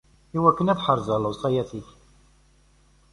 Iwakken ad ḥerzeɣ lewṣayat-ik!